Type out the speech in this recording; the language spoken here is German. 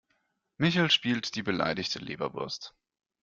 Michel spielt die beleidigte Leberwurst.